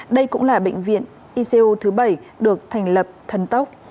đây cũng là bệnh viện icu thứ bảy được thành lập thần tốc